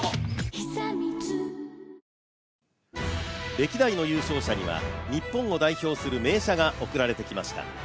歴代の優勝者には日本を代表する名車が贈られてきました。